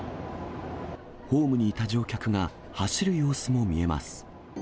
ホームにいた乗客が走る様子も見えます。